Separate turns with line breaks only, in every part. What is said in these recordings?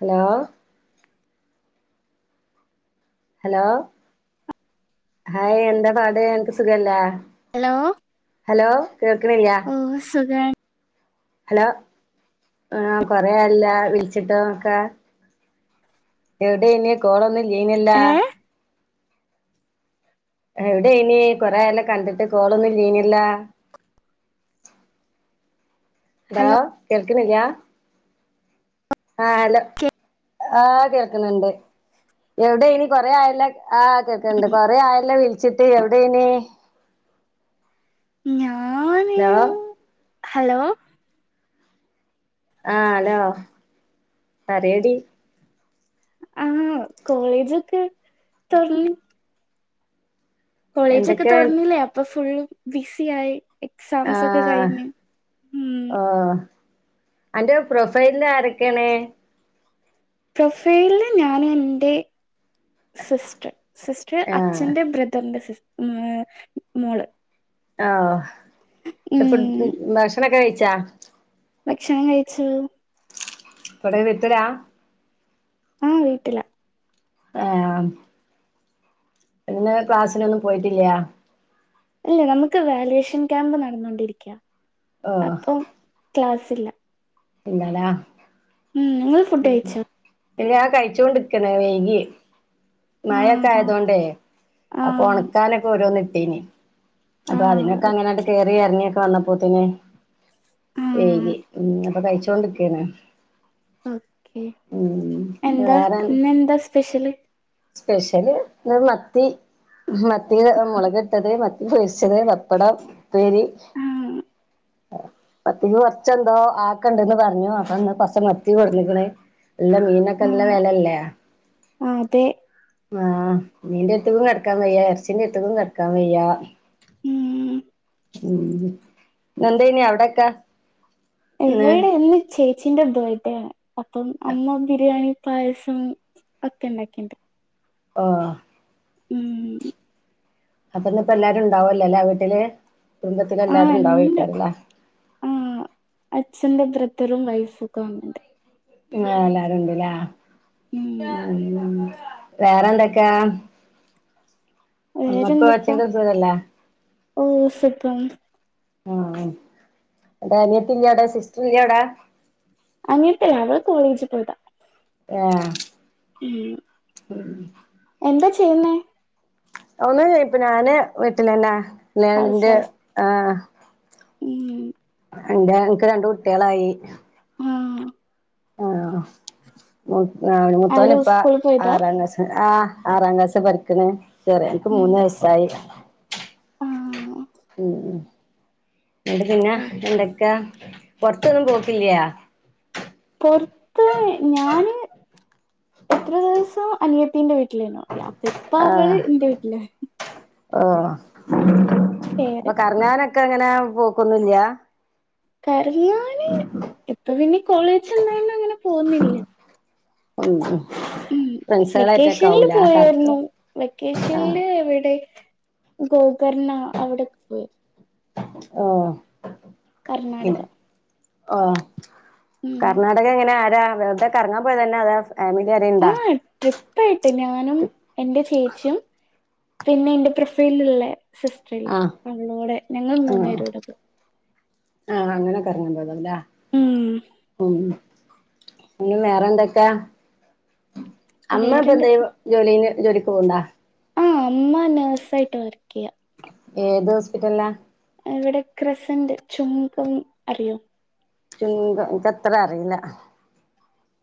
Hello? Hello hi എന്താ പാട് എനക്ക് സുഖല്ലേ?
Hello
hello കേൾക്കണില്ല്യ?
ഓ സുഖാണ്
ഹലോ ആ കൊറയാല്ലോ വിളിച്ചിട്ടു വൊക്കെ? എവിടെയാനി കോളൊന്നു ചെയിനില്ലാ.
ഏ
എവിടെയാനി കൊറെയാല്ലോ കണ്ടിട്ട് കോളൊന്നുല്ലായിനില്ലാ?
ഹലോ
[unintelligible] കേൾ ക്കണില്ലാ? ആ ഹലോ
കേ-
ആ കേൾക്കന്ന്‌ണ്ട് എവിടെയാനി കൊറേ ആയല്ല ആ കേക്കണ്ട്
ഉം,
കൊറെ ആയല്ല വിളിച്ചിട്ട് എവി ടെയ്നി?
ഞാ
ഹലോ?
ഹലോ?
ആ ലോ? പറയടി.
ആ കോളേജൊക്കെ [unintelligible] കോളേജോക്കെ
എന്തൊക്കെ
തൊറന്നില്ലേ അപ്പൊ ഫുള്ളും ബി സിയായി എക്സാംസൊക്കെ
ആഹ്
കഴിഞ്ഞ് ഉം
ഓഹ് അന്റെ പ്രൊഫൈല് ആരൊക്കെയാണ്?
പ്രൊഫൈല് ഞാന് എന്റെ സിസ്റ്റർ സിസ്റ്റർ
ആഹ്
അച്ഛന്റെ ബ്രദറിന്റെ സിസ്റ്റർ. മ് മോള്.
ആ ഫുട്
ഉം.
ഭക്ഷണക്കെ കഴിച്ചാ?
ഭക്ഷണം കഴിച്ചു.
[unintelligible]
ആ വീട്ടില.
ആ പിന്നെ ക്ലാസ്സിനൊന്നും പോയിട്ടിലെ
അല്ല നമുക്ക് വാലുവേഷൻ ക്യാമ്പ് നടന്നോണ്ടിരിക്ക
ഹ
സ്‌ല
പിന്നാലാ അ
ഉം നിങ്ങള് ഫുഡ് കഴിച്ചോ
എല്ലാ ആ കഴിച്ചൊണ്ട്ക്കണ വൈകി മഴൊക്കെ
ആ
ആയതൊണ്ടേ
ആ
അപ്പൊ ഉണക്കാനൊക്കെ ഓരോന്ന് ഇട്ടീനി
ആ
അപ്പൊ അതിനൊക്കെ അങ്ങനെ ണ്ട്
ഓക്കെ
കയറി ഇറങ്ങിയൊക്കെ വന്നപ്പോത്തിന്
ആ
വൈകി ഉം പ്പം കഴിച്ചോണ്ട് കേണ്
ഓക്കെ എന്താ
വേറെ
ഇന്ന് എന്താ സ്പെഷ്യല്
സ്പെഷ്യല് മത്തി മ മത്തി മുളക് ഇട്ടത് മത്തി പൊരിച്ചത് പപ്പടം ഉപ്പേരി
ആ
പത്തി കുറച്ചെന്തോ ആക്കണ്ടന്ന് പറഞ്ഞു അപ്പന്ന് പക്ഷ മത്തി കൊടന്ന് ക്ണ് എല്ല മീനൊക്കെ
ആ
നല്ല വെലല്ലേ
ആ അതെ
ആഹ് മീന്റെ അടുത്ക്ക് കിടക്കാൻ വയ്യ ഇറച്ചിന്റെ എത്തുകും കിടക്കാൻ വയ്യാ
ഉം
ഉ എന്തേ നീ അവിടെകെ
എവിടെ എന്ന് ചേ ചിന്റെ ബേർടെ ആണ് അപ്പം അമ്മ ബിരിയാണി പായസം ഒക്കെ ഉണ്ടാക്കിണ്ട്
ആഹ
ഉം
അപ്പൊന്ന ഇപ്പ എല്ലാരും ഉണ്ടാവല്ലോല്ലേ വീട്ടില് കുടുംബത്തി
ആ
എല്ലാരും
ഉണ്ട്
ഇണ്ടാവകരമ്മളെ
ആ അച്ഛന്റെ ഭ്രത്തറും വയഫു ഖ ഉണ്ട്
ആ അല്ലാരുംണ്ടലെ
ഉം
മ് മ് മ് വേറെന്തൊക്കാ
വേറെന്തൊക്കാ
[unintelligible] സുഖല്ലേ
ഓ സുഖം
ആ അനിയത്തി ഇല്ലോടാ സിസ്റ്റർ ഇല്ലോടാ
അങ്ങനത്തെല്ലേ അവള് കോളേജിൽ പോയതാ
ആഹ
ഉം
ഉം
എന്താ ചെയ്യുന്നേ
ഒന്ന് ഇപ്പ ഞാന് വിട്ടിലനെ ഞൻ എന്റെ ആ്
മ്മ്മ്മ്
എ്റെ എനിക്ക് രണ്ട് കുട്ടികളായി
ആ
ആഹ മുത്തോന്
അവര്
ഇപ്പ
സ്കൂളിൽ പോയതാ
ആറാംക് ആഹ് ആറാം ക്ലാസ് പഠിക്കണ ചറേന്നക്ക
ഉം
മുന്ന്നായസായി
ആഹ്
ഉ എന്നണ്ട് പിന്നെ എന്തൊക്കെയാ പുറത്തൊന്നും പോക്കില്ലയാ
പൊറത്ത് ഞാന് എത്ര ദിവസം അനിയത്തിന്റെ വീട്ടിൽ വീട്ടോ അപ്പ ഇപ്പ അവള് എന്റെ വീട്ടില്
ആ
വേറെ
അപ്പൊ കറങ്ങാനൊക്കെ അങ്ങനെ പോക്കൊന്നില്ല
ക [unintelligible] ഞാന് ഇപ്പ പിന്നെ കോളേജ ഉണ്ടായ അങ്ങനെ തോന്നില്ല
ഉ [unintelligible]
ഉം വെക്കേഷനിൽ പോയായിരുന്നു
കറക്കം ആഹ്
വെക്കേഷനിില് എവിടെ ഗോകർണ അവിടെൊക്കെ പോയത്
ആഹ
കർണാടക
ആഹ
ഉം
കർണാടക എങ്ങനെ അ വെറുതെ കറങ്ങാ പോയ തന്നെ അതെ ഫാമിലി അറിയണ്ടാ
ആഹ് ട്രിപ്പായിട്ട് ഞാനും എന്റെ ചേച്ചിയും പിന്നെ എന്റെ പ്രൊഫൈലല്ലേ സിസ്റ്റർല്ലേ
ആഹ്
അവളോടെ ഞങ്ങൾ
ആഹ്
മൂന്നേരവിടുത്ത
ആഹ് അങ്ങനൊക്കെ ഇറങ്ങാ പോതല്ലേ
ഉം
ഓ പിന്നും വേറെന്തൊക്കെയ അമ്മ ഇപ്പ എന്ത
വേറെന്തൊക്ക
ജോലിന് ജോലിക്ക് പോകണ്ടാ
ആ അമ്മ നേസായിട്ട് വർക്കെയ്യാ
ഏത് ഹോസ്പിറ്റൽലാ
ഇവ്ടെ ക്രസന്റ് ചുംങ്കം അറിയോ
ചുംങ്കം ഇൻക്കത്ര അറിയില്ല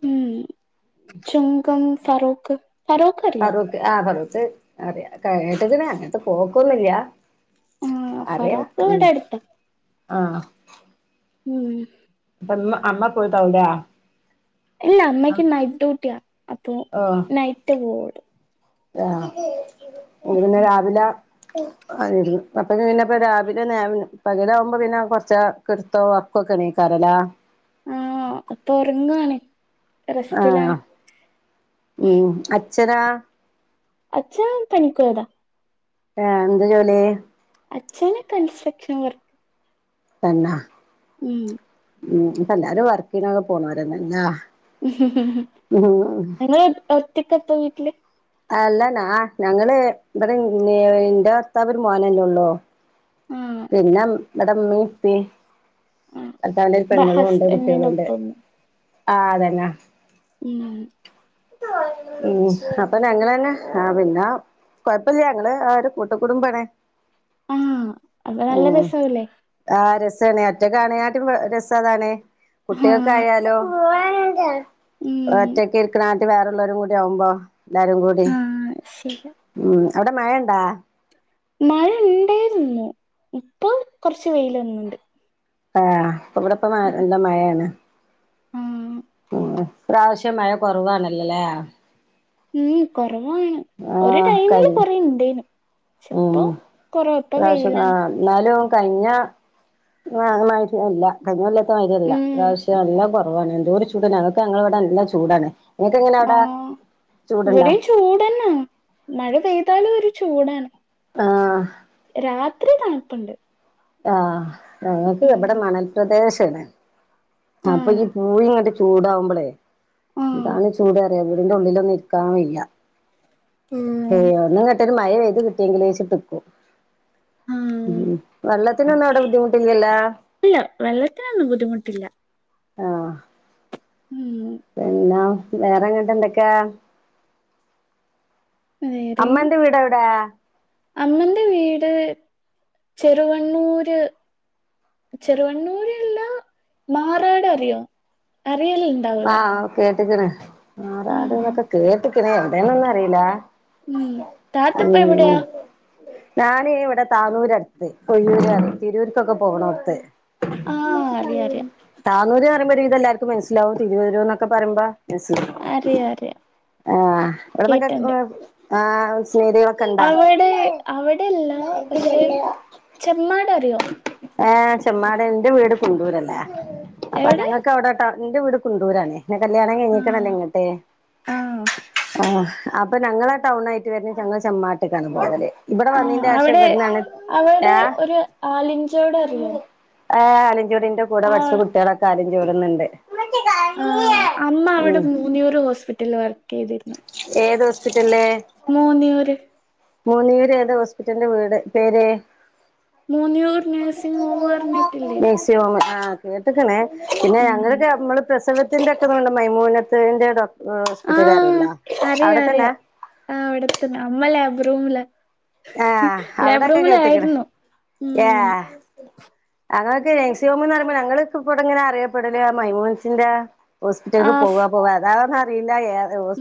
ഉം ചുംങ്കം ഫറോക്ക് ഫറോക്ക് അറിയോ
ഫറോക്കെ ആ ഫറോക്ക് ഏ അറിയ കെ കേട്ടതിന് അങ്ങൻത്തെ പോക്കൊന്നുല്ല്യാ
ആ
അറിയാം
ഫറോക്ക്
ഉം
ഇവിടെ അടുത്താ
ആഹ്
ഉം
പ്പംഇന്ന് അമ്മ പോയിട്ടാവുലേ
ഇല്ല അമ്മക്ക് നൈറ്റ് ഡ്യൂട്ടിയാ അപ്പൊ നൈറ്റ് പോവോളൂ
ദാ ഇന്ന്പിന്നെ രാവിലെ അതെരി അപ്പഴ്പിന്നെപ്പ രാവിലെനേവിന് പകലാവുമ്പോ പിന്നെ കൊർച്ചാ കെടുത്തോ വൊറക്കൊക്കെണീകാലല്ലേ
ആഹ് ഇപ്പൊറങ്ആണ്
ആഹ് ഉം അ ച്ഛനാ
അച്ഛാ പണിക്കോയതാ
ആഹ് എന്ത് ജോലി
അച്ഛന് കൺസ്ട്രക്ഷൻ വർക്
എന്നാ
ഉം
മ് ഇപ്പ എല്ലാരും വർക്കിനൊക്കെ പോണോരാല്ലേ ഞ്ഞ
എലേ പ്പ ട്ക്കെ പോയ്ട്ണ്ട്
അല്ലനാ ഞങ്ങള് ഇബ്ടെ ന് ഇന്റെ ഭർത്താവൊരു മോനല്ലേഒള്ളൂ
ആ
പിന്നെ ഇടമ്മീപ്പി
ആ
ഭർത്താവിൻ്റെ ഒരു പെങ്ങളുഒണ്ട്
ഹസ്ബൻഡിന്റെ
കുട്ടികളുഒണ്ട്
ഒപ്പം
ആ അതെന്നാ
ഉം
ഉ അപ്പൊ ഞങ്ങള് തന്നെ ആ പിന്നെ കൊഴപ്പില്ല്യാ ഇങ്ങള് ആ ഒരു കൂട്ട കൂട്ടുകുടുംബാണ്
ആഹ് അപ്പ നല്ല രസവല്ലേ
ചേനയാ റ്റകാണിയാട്ടുംപോ രസദാണേ
ആ
കുട്ടികൾക്കായാലോ [inaudible]
ഉം
ഒറ്റക്കിക്കണ ആ ട്ടിവേറൊള്ളോരും കൂടി ആവുമ്പോ ല്ലാരും കൂടി
ആഹ് ശരി
ഉം അവിടെ മഴയ്ണ്ടാ
മഴ ണ്ടായ്ര്ന്നു. ഇപ്പോ കൊറച്ച് വെയില് വന്ന്ണ്ട്.
ആഹ്. ഇവിടെപ്പ മ എന്താ മഴേണ്.
ആഹ്
ഇപ്പ്രാവശ്യം മഴ കുറവാണല്ലലേ?
ഉം കൊ കൊറവാണ് ഒരു
ആഹ്
ടൈമില്
കഴിഞ്ഞു
കുറേണ്ടേനു.
ഉം ഇപ്രാവശ്യം
വെയിലാണ്
ആഹ് എന്നാലും കഴിഞ്ഞ മഴയിട്ട് ഇല്ല കഴിഞ്ഞൊല്ലത്- ത്തമാരിയല്ല
ഉം
ഇപ്രാവശ്യം നല്ലകൊറ- വാണ് എന്തോരു ചൂടാ ഞങ്ങക്ക് ഞങ്ങൾവ്ട നല്ല ചൂടാണ്. നിങ്ങക്ക് എങ്ങനെ അവിടെ
ആഹ്
ചൂടുണ്ടാ
ഇവിടെയും ചൂടെന്നെ മഴ പെയ് പെയ്ത്താലും ഒരു ചൂടാണ്
ആഹ്
രാത്രി തണുപ്പുണ്ട്
ആഹ് ഞങ്ങക്ക്
ഉം
ബടെ മണൽപ്രദേശ ത്ത്ണ് അപ്പൊ ഈ
ആഹ്
പൂഴി ഇങ്ങട്ട് ചൂടാവുമ്പളെ
ആഹ്
ഇന്താണ് ചൂട് അറിയ അയിന്റെ ഉള്ളിലൊന്നും ഇരിക്കാൻ വയ്യ
ഉം
ഹേന്നങ്ങട്ടെ [unintelligible] മഴ പെയ്ത് കിട്ടിയെങ്കിലിൽ വേച്ചിട്ടിക്കും
ആഹ്
ഉം വെള്ളത്തിനൊന്നും അവിടെ ബുദ്ധിമുട്ടില്ലല്ലോ
വെള്ളത്തിനൊന്നും ബുദ്ധിമുട്ടില്ല
ആഹ്
ഉം
പിന്നാഹ് വേറെങ്ങട്ട് എന്തൊക്കെ
വേറെയും
അമ്മന്റെ വീടെവിടാ
അമ്മന്റെ വീട് ചെറുവണ്ണൂര് ചെറുവണ്ണൂര് ഇള്ള മാറാട് അറിയോ വെയിൽ ഉണ്ടാവൂല
എക്കണ് മാറാട് ന്നൊക്കെ കേട്ട് ത്ത്ക്ക്ണ് എവിടെനൊന്നും അറീല
ഉം താത്തപ്പ എവിടെയാ
ഞാന ഇവിടെ താനൂര് അടുത്ത് കൊയ്യൂര് തിരൂർക്കൊക്കെ പോകണ അടുത്ത്
ആ അറിയാം അറിയാം
ക്ക് പറ അ പറയ്പോും ഇ എല്ലാവർും മനസിലാവും തിരുവരുൂ എന്നക്കെ പറയമ്പ്പോ
അറിയ അറ
ആഹ് ഇവിടന്നൊക്കെ ആഹ് സ്നേഹിതികളൊക്കെ ഇണ്ടാ
അവിടെ അവിടെയല്ല പക്ഷെ ചെമ്മാട അ
ഏ ചെമ്മാട എന്റെ വീട് കൊണ്ടൂരല്ലേ അപ്പൊ
എവിടെ
ഞങ്ങൾക്ക് അവിടെട്ടാ എന്റെ വീട് കുണ്ടൂരണേ പിെ കല്യാണംണം
ആ
കഴിഞ്ഞീിക്കണല്ലേ ഇങ്ങട്ടെ
ആ
ആഹ അപ്പൊ ഞങ്ങള ആ ടൗണ ആായിട്ട് വര ഞങ്ങൾ ചെ്മാട്ടക്കാണ് പോയല്ലേ
ആ അവിടെ അവിടെ
ഏഹ്
ഒരു മലിഞ്ചയോട് അറിയോ
ആ കടെ
ആ
കുച്ച കുട്ടികളൊക്കെ ആും ജോലുന്നുണ്ട്
ആ അമ്മ അവിടെ മൂന്നിയൂറ് ഹോസ്പിറ്റല വ ചെയ്തിരുന്നു
ഏത് ഹോസ്പിറ്റലില്
മൂന്നിയൂര്
മൂന്നിയൂര് ഏത ഹോസ്പിറ്റലിന്റെ വീട് പേര്
മൂന്നിയൂർ നഴ്സിംഗ് ഹോം പറഞ്ഞിട്ടില്ലേ
മെക്സിമം ആ കേട്ടക്കണെ പിന്നെ
ഉം
അങ്ങനൊക്കെ നമ്മള് പ്രസവ ക്കെണ്ട് മൈമൂനത്തിന്റെ ഹോസ്പിറ്റല
ആ അറിയ അറിയാം ആ അവിട നമ്മള ോംല്ല
ആഹ് അവിടെൊക്കെ കേട്ടക്കണ ഏ
ഉം
അങ്ങനെ സിോമന്ന് പറുമ്പോ ഞൾ ഇവിടെ എങ്ങനെ അറിയപ്പെടില്ല മൈമോൻസിന്റെ ഹോസ്പിറ്റലിക്ക്
ആഫ്
പോവ്വാ പോവ്വാ അതാ ഇല്ല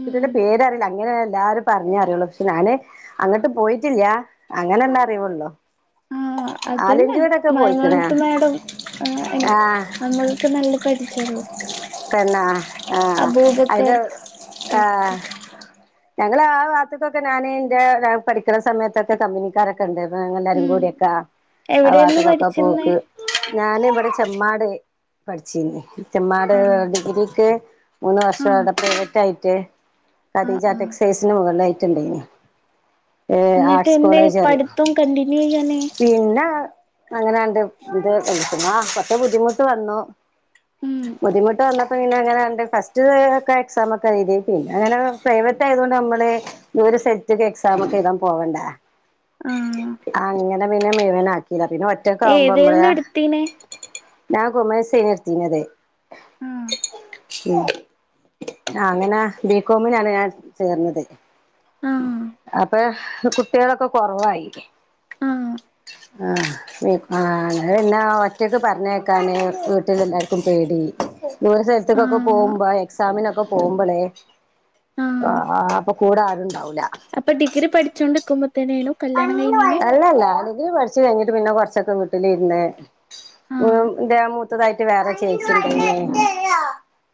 ഉം
പേര് അറിയില്ല ഇങ്ങനെ എല്ലാരും പറഞ്ഞേ അറിയുള്ളൂ പക്ഷെ ഞാന് അങ്ങട്ട് പോയി ട്ടില്ല അങ്ങനെ ഉള്ള അറിവുള്ളൂ
ആഹ് അതന്നെ
പോയിക്കണ്
മൈമോനത്ത് മേഡം ആ
ആഹ്
നമ്മൾക്കെ നല്ല പരിചയ
പിന്നെ ആഹ് അതിന്റെ
അബൂബക്കർ ട്ടോ
ആഹ് ഞങ്ങള് ആ ഭാഗത്തുക്കൊക്കെ ഞാന് ഇന്റെ പഠിക്കുന്ന സമയത്തൊക്കെ കമ്പനിക്കാരൊക്കെ ഉണ്ടായിരുന്നു. എല്ലാരും
ഉം
കൂടിയക്കാ ആ
എവിടെന്ന്
ഭാഗത്തുക്കൊക്കെ
പഠിച്ചിരുന്നേ
പോക്ക്. ഞാൻ ഇവിടെ ചെമ്മാട് പഠിച്ചിനി ചെമ്മാട്.
ആ
ഏഹ് ഡിഗ്രിക്ക് മൂന്ന്
ആ
വർഷം അവിടെ പ്രൈവറ്റ് ആയിട്ട്
ആ
കദീജ
ആ
ടെക്സ്റ്റയിൽസിന് മുകളിലാ റ്റിണ്ടേനി.
എന്നിട്ട് എന്തേ പഠിത്തം കണ്ടിന്യൂ ചെയ്യാഞ്ഞേ?
അങ്ങനെയണ്ട് അത് ആഹ് പക്ഷേ ബുദ്ധിമുട്ട് വന്നു.
ഉം
ബുദ്ധിമുട്ടു വന്നപ്പോ പിന്നങ്ങനെ എന്റെ ഹസ് ഫസ്റ്റ് ഒക്കെ എക്സാമൊ [unintelligible] അങ്ങനെ പ്രൈവറ്റ് ആയതോണ്ട് നമ്മള് ഇവരെ സെറ്റിക്ക് എക്സാമൊക്കെ എഴുതാൻ പോവണ്ട.
ആ
അങ്ങ പിന്നെ പിന്നെ മിഴുവനാക്കിയതാ.
ഏതേരുന്നു എടുത്തീന്?
ഞാൻ കോമേഴ്സേനു എടുത്തീനത്.
ആ
ഉം ആഹ് അങ്ങനെ ബികോമിനാണ് ഞാൻ ചേർന്നത്.
ആ
അപ്പോ കുട്ടികളൊക്കെ കുറവായി.
ആ
ആഹ് ആഹ് പിന്നെ ഒറ്റക്ക് പറഞ്ഞേക്കാന് വീട്ടിലെല്ലാവർക്കും പേടി ദൂര
ആ
സ്ഥലത്തിക്കൊക്കെ പോകുമ്പോ എക്സാമിനൊക്കെ പോകുമ്പോളേ ആ അപ്പൊ കൂടെ ആരുണ്ടാവൂല.
അപ്പൊ ഡിഗ്രി പഠിച്ചോണ്ടിക്കുമ്പോ തന്നെയാണോ കല്യാണം കഴിഞ്ഞീനെ
അല്ലല്ല അത് ഡിഗ്രി പഠിച്ചു കഴിഞ്ഞിട്ട് പിന്നെ കൊറച്ചൊക്കെ വീട്ടിലിരുന്ന്
ആ
എന്താ മൂത്തതായിട്ട് വേറെ ചേച്ചിണ്ടായിന്.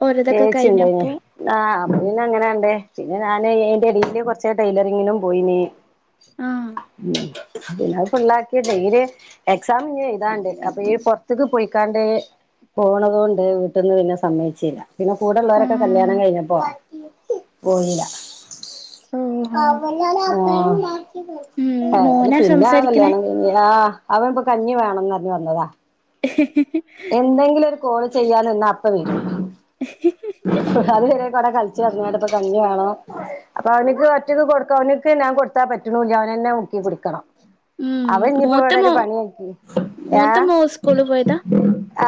ഒരിതൊക്കെ
ചേച്ചിണ്ടായിന്
കഴിഞ്ഞപ്പോ
ആഹ് പിന്നെ അങ്ങനാണ്ട് പിന്നെ ഞാന് അയിന്റെ എടയില് കുറച്ച് ടൈലറിങ്ങിനും പോയിന്.
ആഹ്
പിന്നെ പിള്ളാർക്ക് ഡെയ്ലി എക്സാം ഇനി എഴുതാണ്ട് അപ്പൊ ഈ പുറത്തേക്ക് പോയിക്കാണ്ട് പോണത് കൊണ്ട് വീട്ടിന്ന് പിന്നെ സമ്മയിച്ചില്ല. പിന്നെ
ആ
കൂടെള്ളവരൊക്കെ കല്യാണം കഴിഞ്ഞപ്പോ പോയില്ല.
ഓഹോ ഉം
ആഹ് അത്
മോനാ
പിന്നെ ആ
സംസാരിക്കണേ
കല്യാണം കഴിഞ്ഞ ആഹ് അവൻ ഇ കഞ്ഞി വേണംന്ന് പറഞ്ഞ് വന്നതാ
[inaudible]
എന്തെങ്കിലും ഒരു- കോള് ചെയ്യാൻ നിന്ന അപ്പ വേരും അത് കട കളിച്ച് നടന്നിട്ടിപ്പ കഞ്ഞി വേണം അപ്പൊ അവനിക്ക് ഒറ്റക്ക് കൊടുക്ക അവനക്ക് ഞാൻ കൊടുത്താ പറ്റുണുല്ല അവനന്നെ മുക്കി കുടിക്കണം
ഉം
അവൻ ഇനിയിപ്പോ
മൂത്ത
ഇവിടെ
മോ
ഒരു പണിയാക്കി
മൂത്ത മോ സ്കൂൾ പോയതാ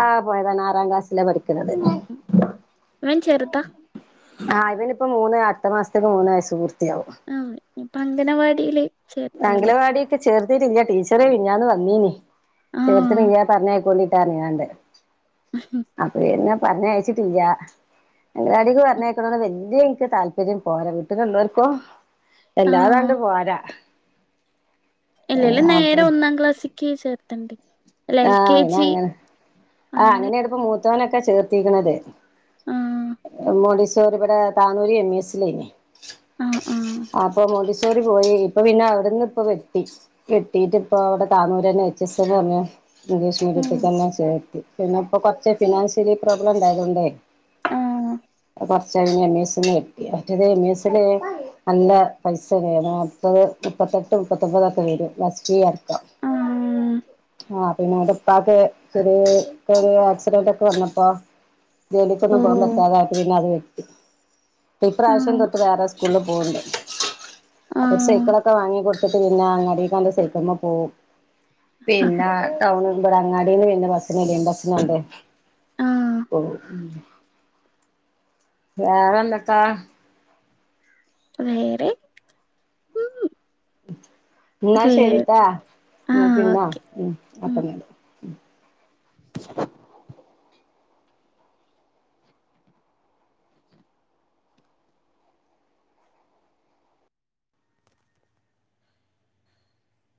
ആഹ് പോയതാണ് ആറാം ക്ലാസ്സില പഠിക്കണത്
അവൻ ചെറുതാ
ആഹ് ഇവനിപ്പ മൂന്ന് അടുത്ത മാസത്തേക്ക് മൂന്ന് വയസ്സ് പൂർ
ആഹ് പ്പൊ അംഗനവാടിയിൽ ചേർത്തല്ലേ
[unintelligible] ടീച്ചർ മിനിഞ്ഞാന്ന് വന്നീന്ന്
ആ
ചേർത്ത്ന് ഇനിയ പറഞ്ഞാകുലി അറിയാണ്ട്
ഉം.
അപ്പൊ എന്ന പറഞ്ഞ് അയച്ചിട്ടില്ല അംഗനവാടിക്ക്‌ പറഞ്ഞയക്കണോന്ന് വല്യ ഇക്ക് താല്പര്യം പോരാ വീട്ടിലുള്ളവർക്കോ
ആഹ് ഇല്ലല്ല
അപ്പൊ
നേരെ ഒന്നാം ക്ലാസ്സിക്ക് ചേർത്തണ്ടി
ആഹ് പിന്ന അങ്ങനെ ആഹ് അങ്ങനെ ആണുപ്പാ മു മുത്തവനൊക്കെ ചേർത്തിക്കണത്
ആ
മോടിസ്‌ [unintelligible] ഇവിടെ താനൂരി എം ഇ എസിൽ ആയിന്
ആ ആ
അപ്പം മോദിസ്‌ തൃശ്ശൂർ പോയി ഇപ്പ പിന്നെ അവിടുന്ന് ഇപ്പ വെട്ടി വെട്ടീട്ട് ഇപ്പ അവിടെ താനുരന്നെ എച് എസ്ന്ന് പറഞ്ഞ ഇംഗ്ലീഷ്മിഡിയത്തി
ഉം
തന്നെ ചേർത്ത് പിന്നെപ്പൊ കൊർച്ച് ഫിനാൻഷ്യലി പ്രോബ്ലം ഉണ്ടായത് കൊണ്ടേ
ആ
കുറച്ച് എം ഇ എസിൽ മറ്റേത് എം ഇ എസിൽ നല്ല പൈസ വേണം മുപ്പത് മുപ്പത്തെട്ട് മുപ്പത്തൊമ്പതൊക്കെ വരും മാസ്റ്ററി അക്കം
ആ
ആഹ് പിന്നെ അവന്റെ ഉപ്പക്ക് ചെറി ചെറിയ ആക്സിഡന്റ് ഒക്കെ വന്നപ്പോ
ഓ
ജോലിക്കൊന്നും പോവൻ പറ്റാതായിട്ട പിന്നെ അത് വി
ആ
ഇപ്രാവശ്യം തൊട്ട് വേറെ സ്കൂളിൽ പോവണ്ട്
ആ
അ സൈക്കളൊക്കെ വാങ്ങി കൊടു- ഇ പിന്നെ അങ്ങാടിയിൽ കൊണ്ട് സൈക്കിളിൽ ഒക്കെ പോകും പിന്നെ ടൌൺ ഇവിടെ അങ്ങാടിന്ന് പിന്നെ ബസിനു ഇടിയൻ ബുസുണ്ട്
ആ
വേറെ എന്തൊക്കെ
വേറെ ഉം
[inaudible] എന്നാ
റേ
ശരീട്ടാ
ആ
ന്നാ പിന്നാ
ഓക്കെ.
[inaudible]